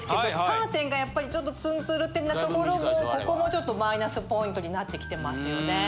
カーテンがやっぱりちょっとツンツルテンなところもここもちょっとマイナスポイントになってきてますよね。